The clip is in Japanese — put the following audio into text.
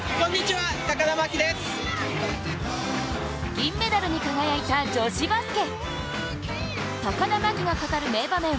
銀メダルに輝いた女子バスケ。